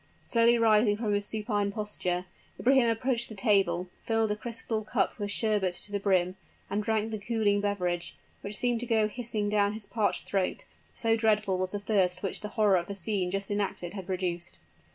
Slowly rising from his supine posture, Ibrahim approached the table, filled a crystal cup with sherbet to the brim, and drank the cooling beverage, which seemed to go hissing down his parched throat so dreadful was the thirst which the horror of the scene just enacted had produced.